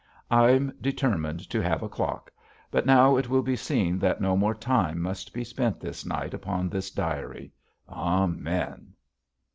I'm determined to have a clock. But now it will be seen that no more time must be spent this night upon this diary. Amen.